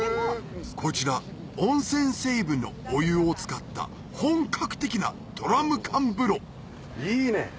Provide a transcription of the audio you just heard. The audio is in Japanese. こちら温泉成分のお湯を使った本格的なドラム缶風呂いいね。